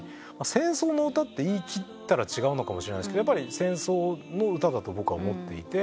戦争の歌って言い切ったら違うのかもしれないですけどやっぱり戦争の歌だと僕は思っていて。